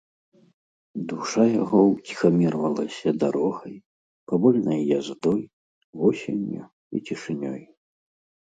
Душа яго ўціхамірвалася дарогай, павольнай яздой, восенню і цішынёй.